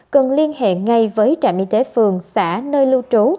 cần liên hệ ngay với trạm y tế phường xã nơi lưu trú